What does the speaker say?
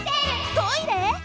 トイレ！？